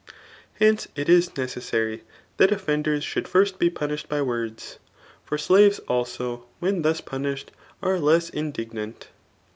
^ Hence, it is necessary that offenders should finst be punished by words ; for slaves also when thus punished ^ce leas indtgoant.